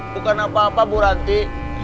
bukan apa apa bu ranti